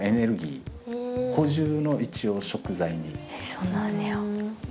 そんなあんねや。